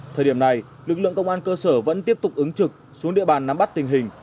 thời điểm này lực lượng công an cơ sở vẫn tiếp tục ứng trực xuống địa bàn nắm bắt tình hình